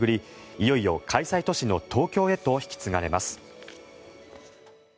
いよいよ開催都市の東京へと引き継がれます。